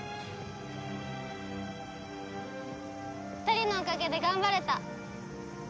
２人のおかげで頑張れた。